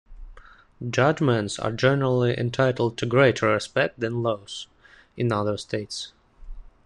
Judgments are generally entitled to greater respect than laws, in other states.